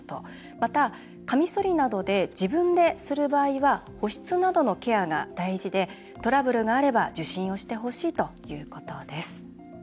また、カミソリなどで自分でする場合は保湿などのケアが大事でトラブルがあれば受診をしてほしいということです。